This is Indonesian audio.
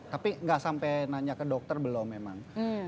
tapi nggak sampai nanya ke dokter belum memang